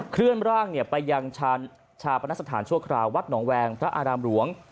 เคลื่อนร่างไปยังชาปนสถานชั่วคราววัดหนองแวงพระอารามหลวง